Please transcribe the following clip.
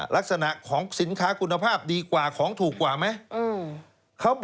ลักษณะของสินค้าคุณภาพดีกว่าของถูกกว่าไหม